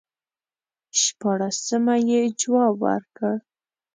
شپاړسمه یې جواب ورکړ.